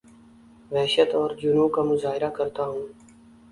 وحشت اورجنون کا مظاہرہ کرتا ہوں